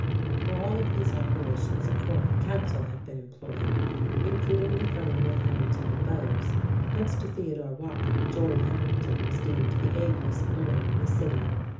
For all of these operations a corps of counsel had been employed, including the firm of Harrington and Bowes next to Theodore Watling, Joel Harrington was deemed the ablest lawyer in the city.